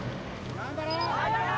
頑張れ！